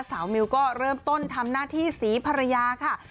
มิวก็เริ่มต้นทำหน้าที่ศรีภรรยาค่ะ